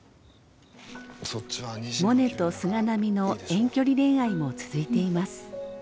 モネと菅波の遠距離恋愛も続いています。